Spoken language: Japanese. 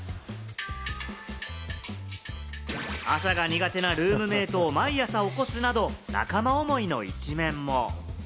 朝が苦手なルームメイトを毎朝起こすなど、仲間思いの一面も。